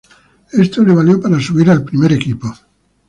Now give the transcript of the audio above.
Esto le valió para subir al primer equipo.